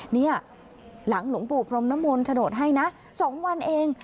เนี่ยหลังหลวงปู่พรมนมลโฉนดให้นะ๒วันเอง